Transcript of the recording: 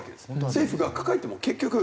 政府が抱えても結局。